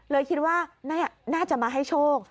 เลยคิดว่าน่าจะมาให้โชค